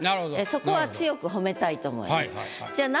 そこは強く褒めたいと思います。